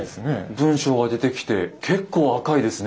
文章が出てきて結構赤いですね。